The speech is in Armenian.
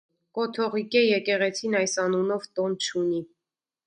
Կոթողիկէ եկեղեցին այս անունով տօն չունի։